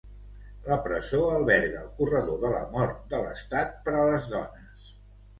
La presó alberga el corredor de la mort de l'estat per a les dones.